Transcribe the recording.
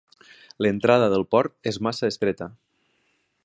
L'entrada del port és massa estreta.